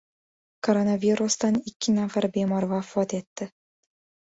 Koronavirusdan ikki nafar bemor vafot etdi